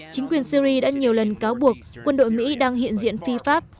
chính quyền syri đã nhiều lần cáo buộc quân đội mỹ đang hiện diện phi pháp